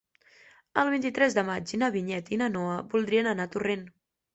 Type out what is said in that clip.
El vint-i-tres de maig na Vinyet i na Noa voldrien anar a Torrent.